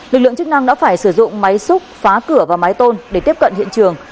lực lượng chức năng đã phải sử dụng máy xúc phá cửa và mái tôn để tiếp cận hiện trường